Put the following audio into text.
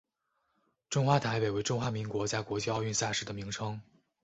中华台北为中华民国在国际奥运赛事的名称。